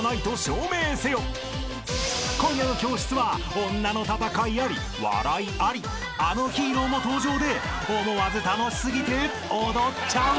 ［今夜の教室は女の戦いあり笑いありあのヒーローも登場で思わず楽し過ぎて踊っちゃう！］